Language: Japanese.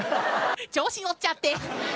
調子乗っちゃって。